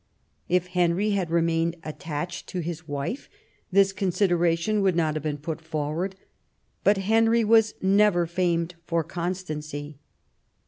If Henry had remained attached to his wife this consideration would not have been put forward ; but Henry was never famed for constancy.